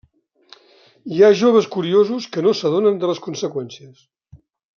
Hi ha joves curiosos que no s'adonen de les conseqüències.